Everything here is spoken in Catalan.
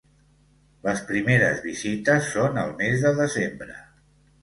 Les primeres visites són el mes de desembre.